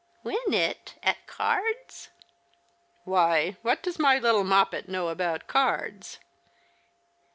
" Win it ? At cards ?"" Why, what does my little Moppet know about cards